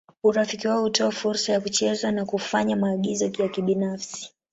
Urafiki wao hutoa fursa ya kucheza na kufanya maagizo ya kibinafsi.